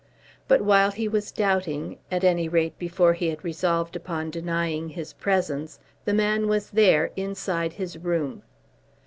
But while he was doubting, at any rate before he had resolved upon denying his presence, the man was there, inside his room.